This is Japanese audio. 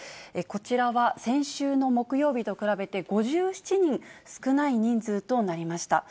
こちらは、先週の木曜日と比べて５７人少ない人数となりました。